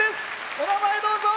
お名前、どうぞ。